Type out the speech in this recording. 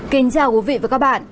kính chào quý vị và các bạn